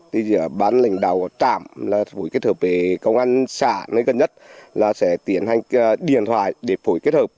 thì bán lệnh đào trảm là phối kết hợp với công an xã nơi gần nhất là sẽ tiến hành điện thoại để phối kết hợp